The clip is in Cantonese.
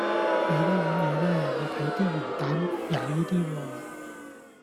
你呢碗嘢呢，我睇啲魚蛋曳啲喎